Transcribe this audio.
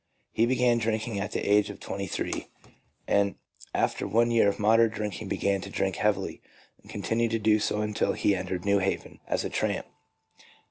He began drinking at the age of twenty three, and after one year of moderate drinking began to drink heavily, and continued to do so until he entered New Haven as a tramp.